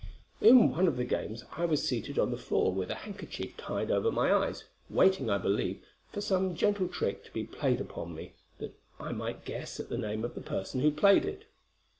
"In one of the games, I was seated on the floor with a handkerchief tied over my eyes, waiting, I believe, for some gentle trick to be played upon me, that I might guess at the name of the person who played it.